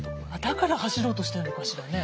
だから走ろうとしてるのかしらね？